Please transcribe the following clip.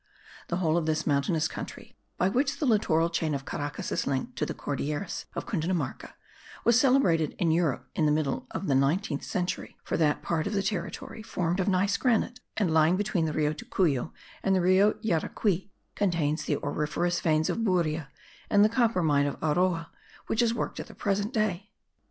The whole of this mountainous country, by which the littoral chain of Caracas is linked to the Cordilleras of Cundinamarca, was celebrated in Europe in the middle of the nineteenth century; for that part of the territory formed of gneiss granite, and lying between the Rio Tocuyo and the Rio Yaracui, contains the auriferous veins of Buria, and the copper mine of Aroa which is worked at the present day.